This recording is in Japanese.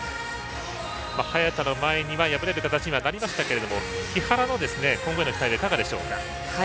早田の前には敗れる形にはなりましたけど木原への今後の期待はいかがでしょうか？